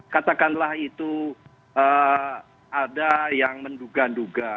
katakanlah itu ada yang menduga duga